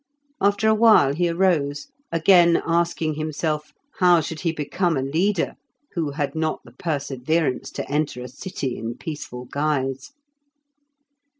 After a while he arose, again asking himself how should he become a leader, who had not the perseverance to enter a city in peaceful guise?